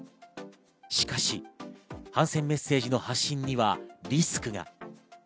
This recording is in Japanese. しかし、反戦メッセージの発信にはリスクが。